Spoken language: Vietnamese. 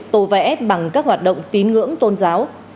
tô vẽ bằng các hoạt động tín ngưỡng tôn giáo